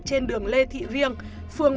trên đường lê thị riêng phường